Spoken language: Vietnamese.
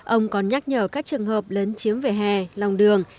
ông còn nhắc nhở các trường hợp lớn chiếm về hè lòng đường